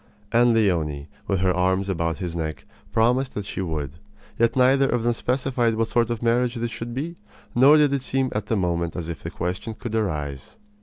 And Leonie, with her arms about his neck, promised that she would. Yet neither of them specified what sort of marriage this should be, nor did it seem at the moment as if the question could arise.